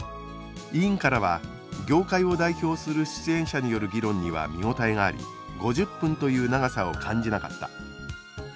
委員からは「業界を代表する出演者による議論には見応えがあり５０分という長さを感じなかった」